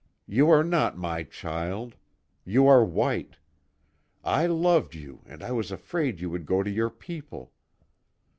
You are not my child. You are white. I loved you, and I was afraid you would go to your people."